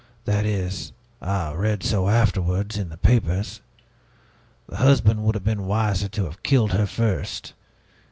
That is I read so afterwards, in the papers. The husband would have been wiser to have killed her first.